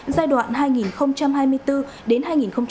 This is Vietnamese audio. giai đoạn hai nghìn hai mươi bốn đến